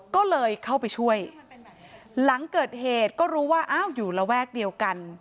ก็เลยเข้าไปช่วยหลังเกิดเหตุก็รู้ว่าอ้าวอยู่ระแวกเดียวกัน